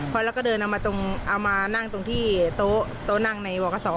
พอแล้วก็เดินเอามานั่งตรงที่โต๊ะโต๊ะนั่งในหวักศอ